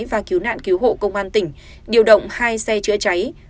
và cứu nạn cứu hộ công an tỉnh điều động hai xe chữa cháy